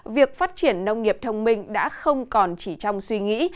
việc phát triển nông nghiệp thông minh đã không còn chỉ trong suy nghĩ